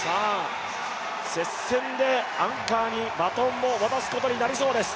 接戦でアンカーにバトンを渡すことになりそうです。